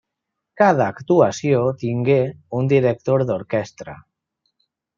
Cada actuació tingué un director d'orquestra.